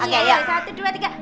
satu dua tiga